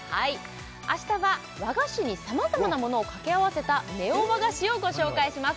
明日は和菓子に様々なものを掛け合わたネオ和菓子をご紹介します